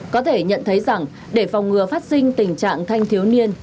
có thể nhận thấy rằng để phòng ngừa phát sinh tình trạng thanh thiếu niên